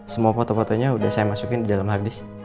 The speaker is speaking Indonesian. semua foto fotonya udah saya masukin di dalam harddisk